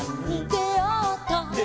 「であった」